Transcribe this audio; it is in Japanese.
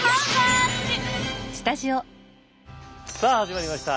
さあ始まりました。